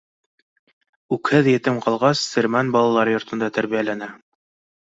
Үкһеҙ етем ҡалғас, Сермән балалар йортонда тәрбиәләнә.